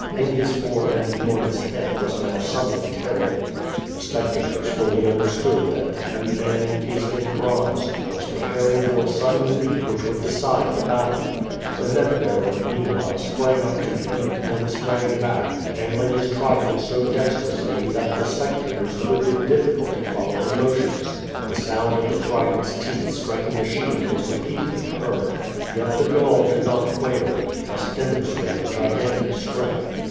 In his form and enormous head was now something terrible. The spectators fully understood that the heavy man encased in bronze was j)reparing for a sudden leap which would decide the battle. The net bearer, meanwhile sprang up to him, then sprang back, handling his trident so dexterously that the spectators could with difficulty follow his motions. The sound of the trident's teeth striking the shield was repeately heard. Yet the Gaul did not quail, thus de monstrating gigantic strength.